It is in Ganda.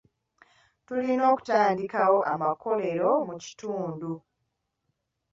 Tulina okutandikwo amakolero mu kitundu.